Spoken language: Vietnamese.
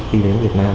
khi đến việt nam